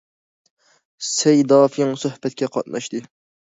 سەي دافېڭ سۆھبەتكە قاتناشتى.